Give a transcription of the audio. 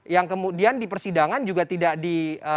yang kemudian di persidangan juga tidak di